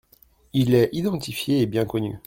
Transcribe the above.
Il est identifié et bien connu.